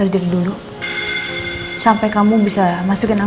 dari dulu sampai sekarang